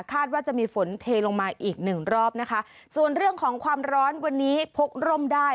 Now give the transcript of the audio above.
ว่าจะมีฝนเทลงมาอีกหนึ่งรอบนะคะส่วนเรื่องของความร้อนวันนี้พกร่มได้